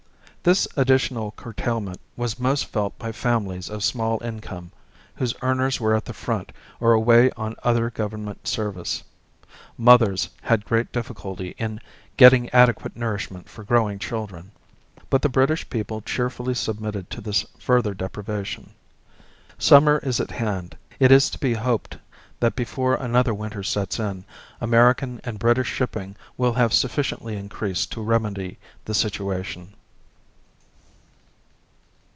This additional curtailment was most felt by families of small income, whose earners were at the front or away on other government service. Mothers had great difficulty in getting adequate nourishment for growing children. But the British people cheerfully submitted to this further deprivation. Summer is at hand. It is to be hoped that before another winter sets in, American and British shipping will have sufficiently increased to remedy the situation.